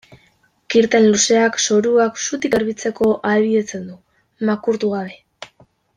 Kirten luzeak zorua zutik garbitzeko ahalbidetzen du, makurtu gabe.